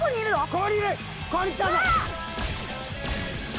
ここにいるうわ！